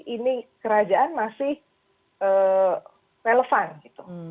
ini kerajaan masih relevan gitu